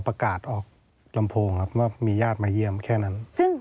ประกาศออกลำโพงครับว่ามีญาติมาเยี่ยมแค่นั้น